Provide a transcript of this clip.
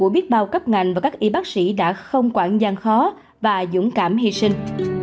biết bao cấp ngành và các y bác sĩ đã không quản gian khó và dũng cảm hy sinh